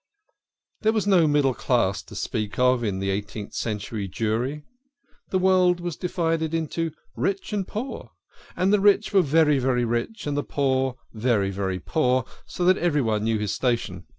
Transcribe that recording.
There was no middle class to speak of in the eighteenth century Jewry ; the world was divided into rich and poor, and the rich were very, very rich, and the poor very, very poor, so that everyone knew his station.